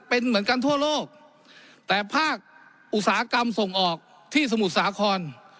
เป็นเหมือนกันทั่วโลกแต่ภาคอุตสาหกรรมส่งออกที่สมุทรสาคร